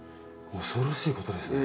恐ろしいことですね。